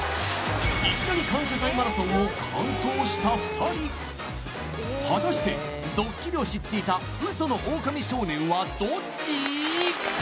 いきなり感謝祭マラソンを完走した２人果たしてドッキリを知っていたウソのオオカミ少年はどっち？